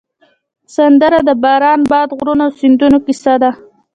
سندره د باران، باد، غرونو او سیندونو کیسه ده